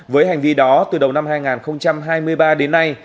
với hành vi đó từ đầu năm hai nghìn hai mươi ba đến nay